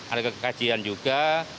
ada kajian juga